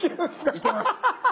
いけます！